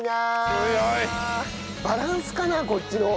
バランスかなこっちの。